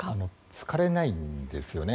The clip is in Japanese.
疲れないんですよね。